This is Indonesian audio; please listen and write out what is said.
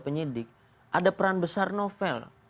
penyidik ada peran besar novel